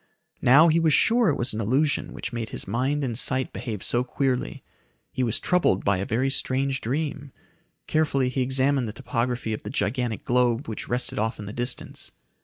Now he was sure it was an illusion which made his mind and sight behave so queerly. He was troubled by a very strange dream. Carefully he examined the topography of the gigantic globe which rested off in the distance.